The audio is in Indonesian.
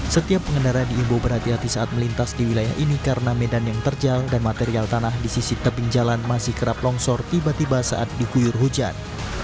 setiap pengendara diimbau berhati hati saat melintas di wilayah ini karena medan yang terjal dan material tanah di sisi tebing jalan masih kerap longsor tiba tiba saat dikuyur hujan